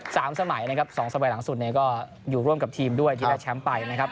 สามสมัยนะครับสองสมัยหลังสุดเนี่ยก็อยู่ร่วมกับทีมด้วยที่ได้แชมป์ไปนะครับ